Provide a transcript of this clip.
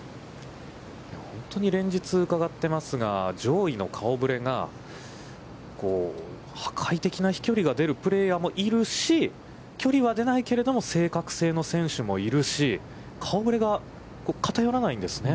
本当に連日伺っていますが、上位の顔ぶれが破壊的な飛距離が出るプレーヤーもいるし、距離は出ないけれども、正確性の選手もいるし、顔ぶれが偏らないんですね。